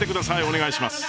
お願いします。